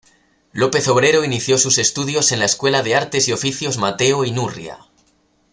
López-Obrero inició sus estudios en la Escuela de Artes y Oficios Mateo Inurria.